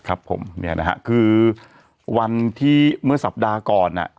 ครับผมเนี่ยนะฮะคือวันที่เมื่อสัปดาห์ก่อนอ่ะ